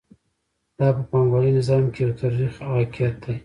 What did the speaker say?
دا په پانګوالي نظام کې یو تریخ واقعیت دی